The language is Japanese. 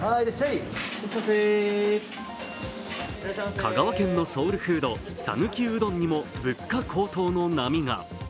香川県のソウルフード讃岐うどんにも、物価高騰の波が。